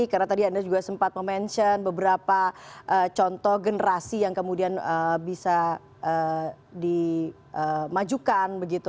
karena tadi anda juga sempat mention beberapa contoh generasi yang kemudian bisa dimajukan begitu